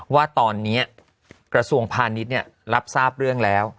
ว่าตอนนี้กระทรวงพาณิชย์รับทราบเรื่องแล้ว